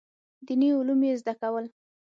دیني علوم یې زده کول.